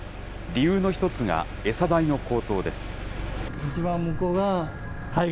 理由の１つが餌代の高騰です。